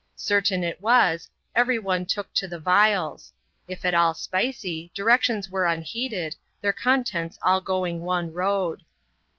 Certain it was, every one took to the vials ; if at all spicy, directions were unheeded, their contents all going one road.